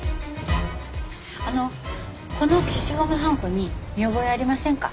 あのこの消しゴムはんこに見覚えありませんか？